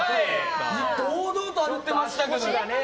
堂々と歩いてましたけど。